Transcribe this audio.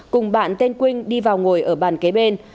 cùng bạn tên quynh đi vào ngồi ở bàn kế bên